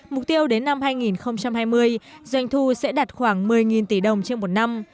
mục tiêu đến năm hai nghìn hai mươi doanh thu sẽ đạt khoảng một mươi tỷ đồng trên một năm